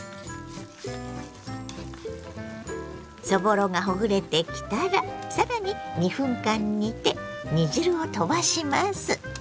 そぼろがほぐれてきたらさらに２分間煮て煮汁を飛ばします。